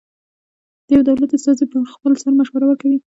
د یوه دولت استازی پر خپل سر مشوره ورکوي.